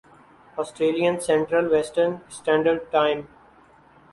Australian Central Western Standard time